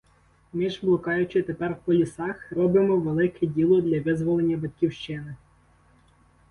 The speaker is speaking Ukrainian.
Ми ж, блукаючи тепер по лісах, робимо велике діло для визволення Батьківщини.